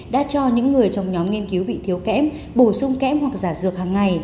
đã cho những người trong nhóm nghiên cứu bị thiếu kẽm bổ sung kẽm hoặc giả dược hàng ngày